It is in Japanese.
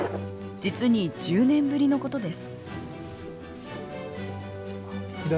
実に１０年ぶりのことです。